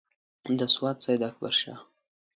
د سوات سیداکبرشاه.